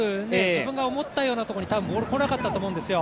自分が思ったところにボールが来なかったと思うんですよ。